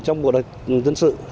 trong mùa đại dân sự